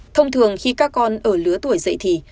thông thường khi các con ở lứa tuổi dậy thì